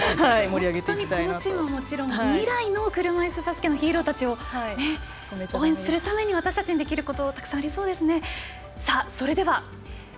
日本チームはもちろん未来の車いすバスケのヒーローたちを応援するために私たちにできることがたくさんありそうですね。